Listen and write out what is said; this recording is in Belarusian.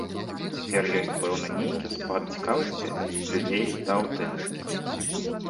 Цяпер ёсць, пэўна, нейкі спад цікавасці людзей да аўтэнтыкі.